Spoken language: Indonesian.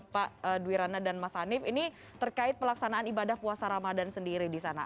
pak duwirana dan mas hanif ini terkait pelaksanaan ibadah puasa ramadan sendiri di sana